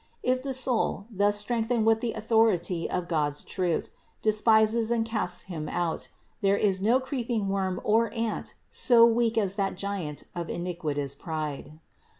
If the soul, thus strengthened with the au thority of God's truth, despises and casts him out, there is no creeping worm or ant so weak as that giant of iniquitous pride.